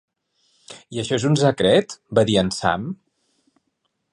"I això és un secret?" va dir en Sam.